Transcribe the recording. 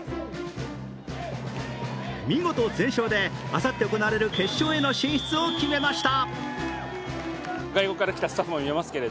見事、全勝であさって行われる決勝への進出を決めました。